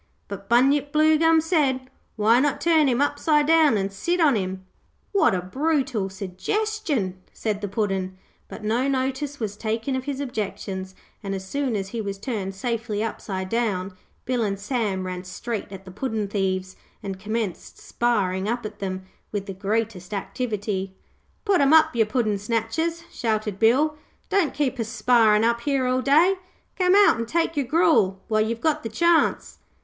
But Bunyip Bluegum said, 'Why not turn him upside down and sit on him?' 'What a brutal suggestion,' said the Puddin'; but no notice was taken of his objections, and as soon as he was turned safely upside down, Bill and Sam ran straight at the puddin' thieves and commenced sparring up at them with the greatest activity. 'Put 'em up, ye puddin' snatchers,' shouted Bill. 'Don't keep us sparrin' up here all day. Come out an' take your gruel while you've got the chance.'